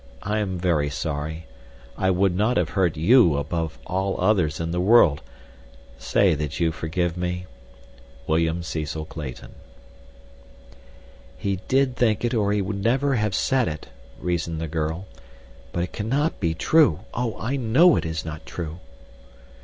I am very sorry. I would not have hurt you, above all others in the world. Say that you forgive me. WM. CECIL CLAYTON. "He did think it or he never would have said it," reasoned the girl, "but it cannot be true—oh, I know it is not true!"